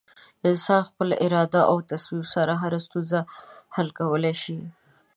انسان په خپله اراده او تصمیم سره هره ستونزه حل کولی شي.